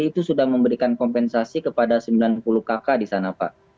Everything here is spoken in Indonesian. itu sudah memberikan kompensasi kepada sembilan puluh kakak di sana pak